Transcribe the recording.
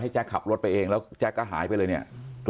ให้แจ๊คขับรถไปเองแล้วแจ๊คก็หายไปเลย